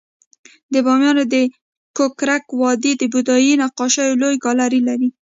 د بامیانو د ککرک وادی د بودایي نقاشیو لوی ګالري لري